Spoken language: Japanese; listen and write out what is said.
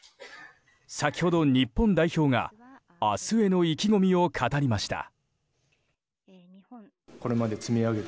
先ほど、日本代表が明日への意気込みを語りました。